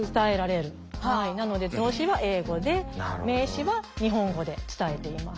なので動詞は英語で名詞は日本語で伝えています。